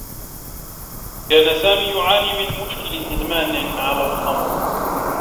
كان سامي يعاني من مشكل إدمان على الخمر.